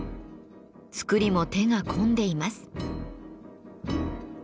作りも手が込んでいます。